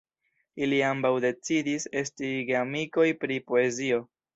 Ili ambaŭ decidis esti geamikoj pri poezio.